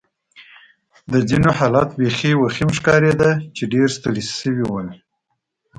د ځینو حالت بېخي وخیم ښکارېده چې ډېر ستړي ول.